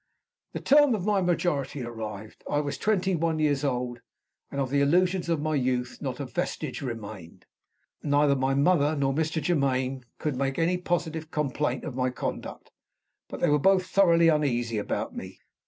The term of my majority arrived. I was twenty one years old; and of the illusions of my youth not a vestige remained. Neither my mother nor Mr. Germaine could make any positive complaint of my conduct. But they were both thoroughly uneasy about me.